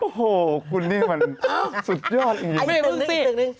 โอ้โฮคุณนี่มันสุดยอดอีกนิดนึง